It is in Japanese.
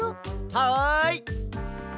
はい！